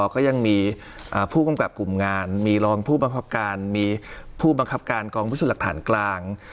ก็ยังมีผู้กำกับกลุ่มงานมีรองผู้บังคับการมีผู้บังคับการกองพิสูจน์หลักฐานกลาง